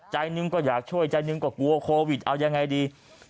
ใจหนึ่งก็อยากช่วยใจหนึ่งก็กลัวโควิดเอายังไงดี